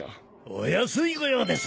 お安いご用です。